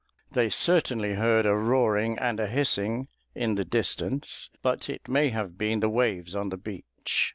They certainly heard a roaring and a hissing in the distance, but it may have been the waves on the beach.